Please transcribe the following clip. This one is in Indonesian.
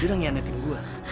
dia udah ngyianatin gue